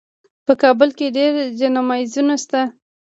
په کابل کې ډېر جمنازیمونه شته.